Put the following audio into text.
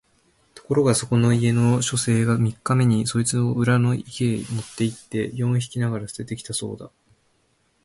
ところがそこの家の書生が三日目にそいつを裏の池へ持って行って四匹ながら棄てて来たそうだ